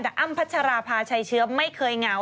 แต่อ้ำพัชราภาชัยเชื้อไม่เคยเหงา